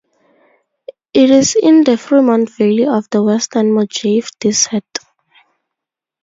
It is in the Fremont Valley of the western Mojave Desert.